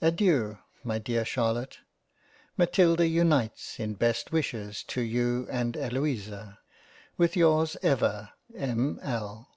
Adeiu my dear Charlotte ; Matilda unites in best wishes to you and Eloisa, with yours ever M. L.